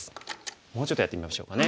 もうちょっとやってみましょうかね。